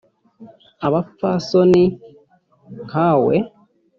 abapfasoni nkawe